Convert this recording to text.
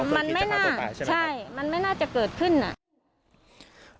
มันไม่น่าใช่มันไม่น่าจะเกิดขึ้นอ่ะ